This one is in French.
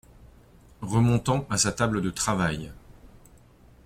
Remontant à sa table de travail.